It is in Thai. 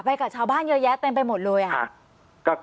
กับชาวบ้านเยอะแยะเต็มไปหมดเลยอ่ะ